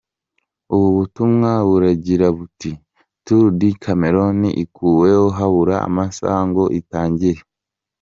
Ubu butumwa buragira buti” Tour du Cameroun ikuweho habura amasaha ngo itangire.